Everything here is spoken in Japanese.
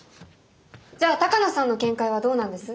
じゃあ鷹野さんの見解はどうなんです？